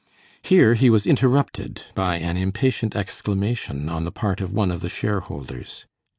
Here he was interrupted by an impatient exclamation on the part of one of the share holders.